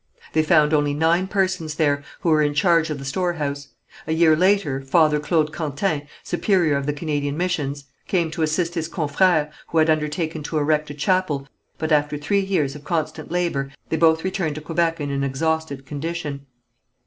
They found only nine persons there, who were in charge of the storehouse. A year later, Father Claude Quentin, superior of the Canadian missions, came to assist his confrère, who had undertaken to erect a chapel, but after three years of constant labour, they both returned to Quebec in an exhausted condition.